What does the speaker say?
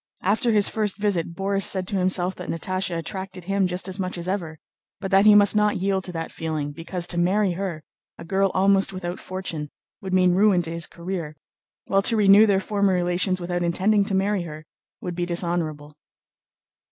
After his first visit Borís said to himself that Natásha attracted him just as much as ever, but that he must not yield to that feeling, because to marry her, a girl almost without fortune, would mean ruin to his career, while to renew their former relations without intending to marry her would be dishonorable.